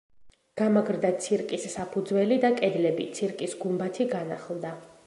გამაგრდა ცირკის საფუძველი და კედლები, ცირკის გუმბათი განახლდა.